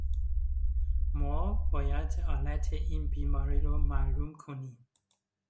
ما باید علت این بیماری را معلوم کنیم.